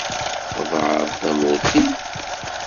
Txedɛeḍ tamurt-im.